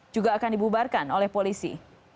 juga akan dibubarkan oleh polisi